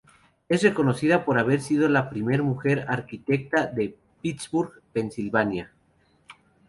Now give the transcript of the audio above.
Es reconocida por haber sido la primera mujer arquitecta de Pittsburgh, Pensilvania.